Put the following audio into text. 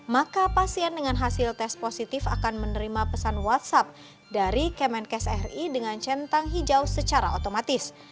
maka pasien dengan hasil tes positif akan menerima pesan whatsapp dari kemenkes ri dengan centang hijau secara otomatis